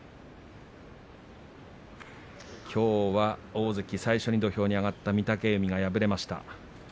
大関最初に土俵に上がった御嶽海が敗れました。